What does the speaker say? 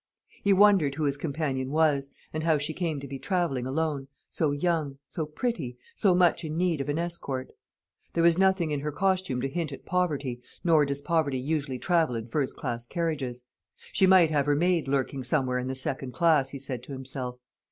He wondered who his companion was, and how she came to be travelling alone, so young, so pretty, so much in need of an escort. There was nothing in her costume to hint at poverty, nor does poverty usually travel in first class carriages. She might have her maid lurking somewhere in the second class, he said to himself.